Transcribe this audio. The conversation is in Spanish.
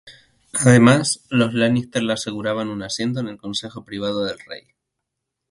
Además, los Lannister le aseguraban un asiento en el Consejo Privado del rey.